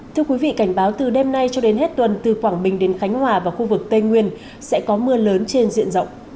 thưa quý vị cảnh báo từ đêm nay cho đến hết tuần từ quảng bình đến khánh hòa và khu vực tây nguyên sẽ có mưa lớn trên diện rộng